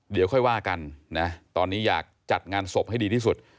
เดี๋ยวค่อยว่ากันนะตอนนี้อยากจัดงานศพให้ดีที่สุด